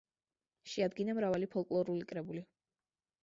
შეადგინა მრავალი ფოლკლორული კრებული.